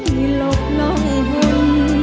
หลบลองทน